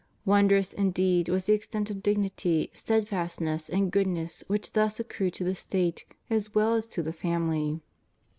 Wondrous, indeed, was the extent of dignity, steadfast ness, and goodness which thus accrued to the State as well as to the family.